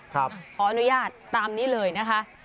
ขออนุญาตตามนี้เลยนะคะ